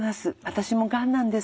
私もがんなんです。